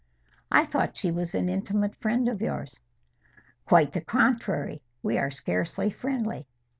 "I thought she was an intimate friend of yours." "Quite the contrary. We are scarcely friendly."